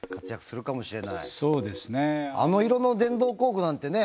あの色の電動工具なんてね